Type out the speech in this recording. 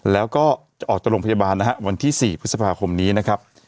แล้วก็จะออกจากโรงพยาบาลนะฮะวันที่๔พฤษภาคมนี้นะครับ